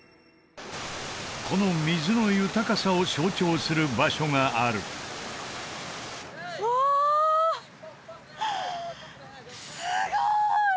この水の豊かさを象徴する場所があるわあすごい！